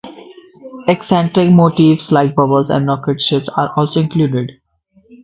Eccentric motifs like bubbles and rocket ships are also included.